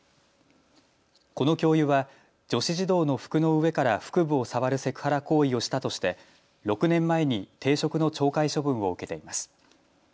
この教諭は女子児童の服の上から腹部を触るセクハラ行為をしたとして６年前に停職の懲戒処分を受けています。